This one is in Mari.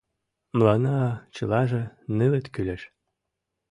— Мыланна чылаже нылыт кӱлеш.